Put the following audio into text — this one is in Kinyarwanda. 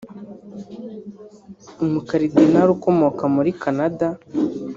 umukaridinari ukomoka muri Canada